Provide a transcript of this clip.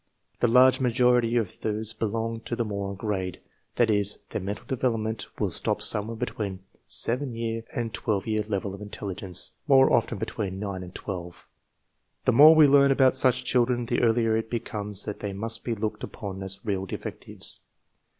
The large majority of these belong to the moron grade; that is, their mental development will stop somewhere between the 7 year and 13 year level of intelligence, more often between and lii. The more we learn about such children, the clearer it be comes that they must be looked upon as real defectives.